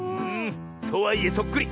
とはいえそっくり！